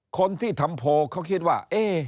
คนที่ทำโพลเขาคิดว่า